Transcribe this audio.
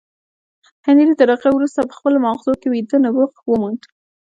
هنري تر هغه وروسته په خپلو ماغزو کې ویده نبوغ وموند